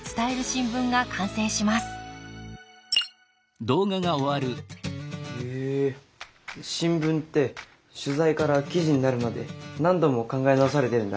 新聞って取材から記事になるまで何度も考え直されてるんだね。